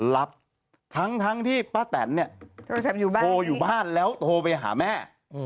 รับทั้งที่ป้าแตนเนี่ยโทรอยู่บ้านแล้วโทรไปหาแม่